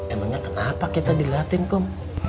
emangnya kenapa kita dilihatin kok